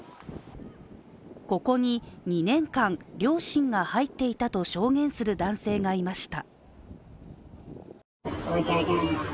ここに２年間、両親が入っていたと証言する男性がいました。